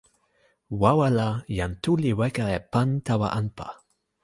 wawa la, jan Tu li weka e pan tawa anpa.